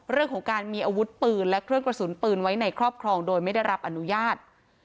เรื่องของการมีอาวุธปืนและเครื่องกระสุนปืนไว้ในครอบครองโดยไม่ได้รับอนุญาต